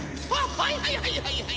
はいはいはいはい。